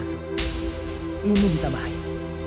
lu bandel tau gak